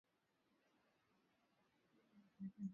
mara nyingi wamasai huvaa shuka nyekundu